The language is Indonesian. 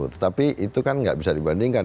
tetapi itu kan nggak bisa dibandingkan